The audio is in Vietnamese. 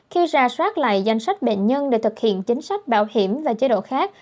khi ra soát lại danh sách bệnh nhân để thực hiện chính sách bảo hiểm và chế độ khác